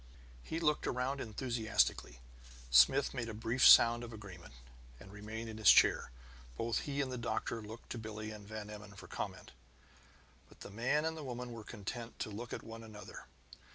He looked around enthusiastically. Smith made a brief sound of agreement, and remained in his chair. Both he and the doctor looked to Billie and Van Emmon for comment. But the man and the woman were content to look at one another.